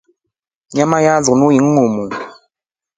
Nyama ya linu ni ngiumu.